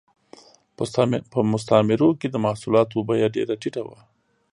په مستعمرو کې د محصولاتو بیه ډېره ټیټه وه